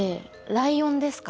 ライオンですか？